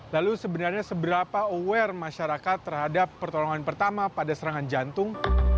lalu sebenarnya seberapa aware masyarakat terhadap pertolongan pertama pada serangan jantung